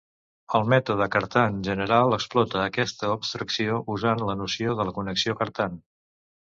El mètode Cartan general explota aquesta abstracció usant la noció de la connexió Cartan.